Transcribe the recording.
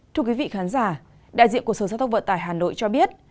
thưa quý vị khán giả đại diện của sở giao thông vận tải hà nội cho biết